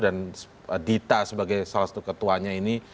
dan dita sebagai salah satu ketuanya ini